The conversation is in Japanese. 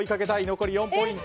残り４ポイント。